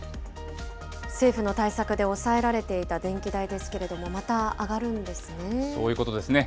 政府の対策で抑えられていた電気代ですけれども、また上がるそういうことですね。